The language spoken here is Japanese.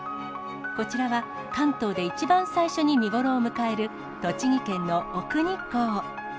こちらは、関東で一番最初に見頃を迎える、栃木県の奥日光。